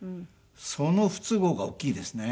その不都合が大きいですね。